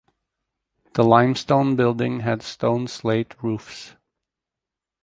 The limestone building had stone slate roofs.